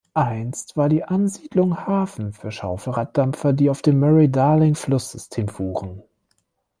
Einst war die Ansiedlung Hafen für Schaufelraddampfer, die auf dem Murray-Darling-Flusssystem fuhren.